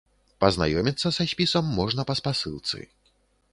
Пазнаёміцца са спісам можна па спасылцы.